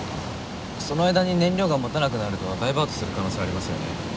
その間に燃料が持たなくなるとダイバートする可能性ありますよね。